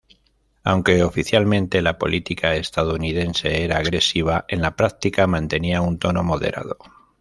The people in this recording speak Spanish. Aunque oficialmente la política estadounidense era agresiva, en la práctica mantenía un tono moderado.